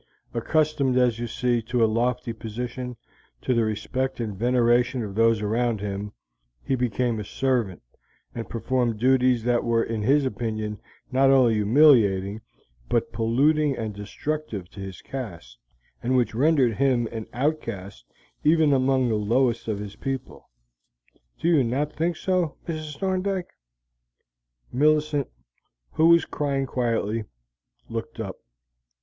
Accustomed, as you see, to a lofty position, to the respect and veneration of those around him, he became a servant, and performed duties that were in his opinion not only humiliating, but polluting and destructive to his caste, and which rendered him an outcast even among the lowest of his people. Do you not think so, Mrs. Thorndyke?" Millicent, who was crying quietly, looked up.